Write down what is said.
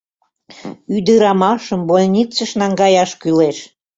Ӱдырамашым больницыш наҥгаяш кӱлеш...